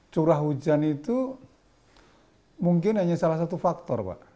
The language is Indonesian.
curah hujan itu mungkin hanya salah satu faktor pak